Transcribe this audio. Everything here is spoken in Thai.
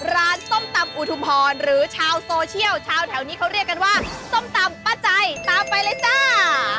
ส้มตำอุทุมพรหรือชาวโซเชียลชาวแถวนี้เขาเรียกกันว่าส้มตำป้าใจตามไปเลยจ้า